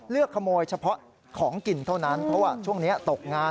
ขโมยเฉพาะของกินเท่านั้นเพราะว่าช่วงนี้ตกงาน